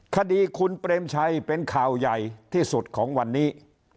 คดีคุณเปรมชัยเป็นข่าวใหญ่ที่สุดของวันนี้